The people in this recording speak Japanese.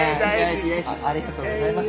ありがとうございます。